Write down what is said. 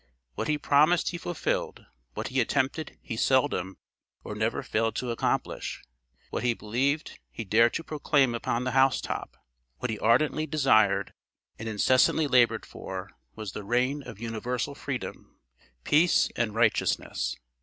What he promised he fulfilled; what he attempted, he seldom, or never failed to accomplish; what he believed, he dared to proclaim upon the housetop; what he ardently desired, and incessantly labored for, was the reign of universal freedom, peace, and righteousness.